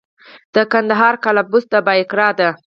د کندهار قلعه بست د بایقرا ده